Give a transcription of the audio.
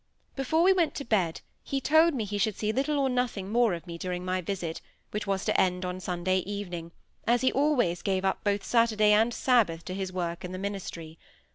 Before we went to bed he told me he should see little or nothing more of me during my visit, which was to end on Sunday evening, as he always gave up both Saturday and Sabbath to his work in the ministry.